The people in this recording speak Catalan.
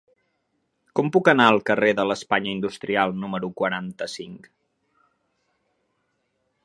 Com puc anar al carrer de l'Espanya Industrial número quaranta-cinc?